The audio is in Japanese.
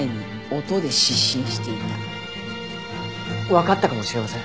わかったかもしれません。